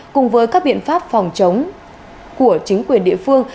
cùng với các biện pháp phòng chống của chính quyền địa phương